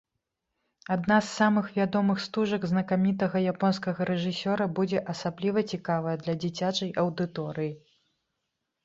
Адна з самых вядомых стужак знакамітага японскага рэжысёра будзе асабліва цікавая для дзіцячай аўдыторыі.